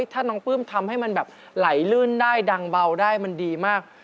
ถ้าน้องปลื้มทำให้มันแบบไหลลื่นได้ดังเบาได้มันดีมาก